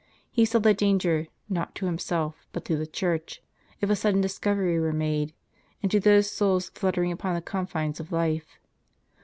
He saw the danger, not to himself, but to the Church, if a sudden discovery were made, and to those souls fluttering upon the confines of life.